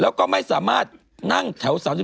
แล้วก็ไม่สามารถนั่งแถว๓๒